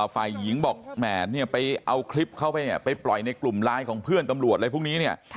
ฝ่ายหญิงเอาคลิปเข้าไปไปปล่อยในกลุ่มไลน์ของเพื่อนตำรวจอะไรพวกนี้